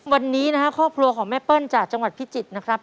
วันนี้นะครับครอบครัวของแม่เปิ้ลจากจังหวัดพิจิตรนะครับ